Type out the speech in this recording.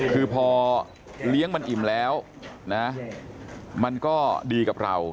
คือพอเลี้ยงมันอิ่มแล้วนะมันก็ดีกับเรา